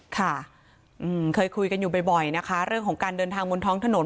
ค่ะเคยคุยกันอยู่บ่อยนะคะเรื่องของการเดินทางบนท้องถนน